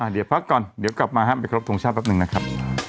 เดี๋ยวพักก่อนเดี๋ยวกลับมาไปครบทรงชาติแป๊บหนึ่งนะครับ